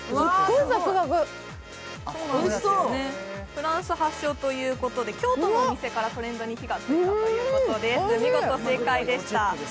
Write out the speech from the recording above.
フランス発祥ということで京都のお店からトレンドに火が付いたということで、見事、正解でした。